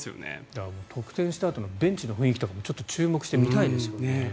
だから得点したあとのベンチの雰囲気とかも注目して見たいですよね。